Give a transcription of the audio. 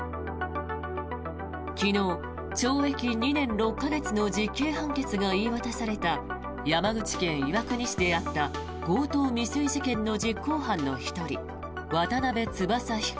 昨日、懲役２年６か月の実刑判決が言い渡された山口県岩国市であった強盗未遂事件の実行犯の１人渡邉翼被告。